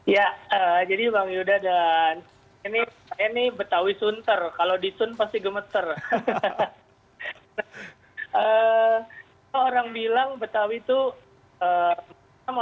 ya jadi bang yuda dan ini saya nih betawi sunter kalau di sun pasti gemeter